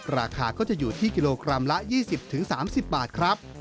ราคาก็จะอยู่ที่กิโลกรัมละ๒๐๓๐บาทครับ